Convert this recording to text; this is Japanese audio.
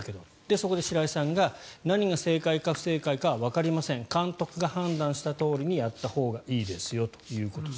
そこで白井さんが何が正解か不正解かはわかりません監督が判断したとおりにやったほうがいいですよということです。